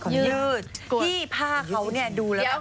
ยืดที่ผ้าเขาดูแล้ว